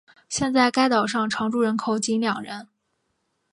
现在该岛上常住人口仅两人。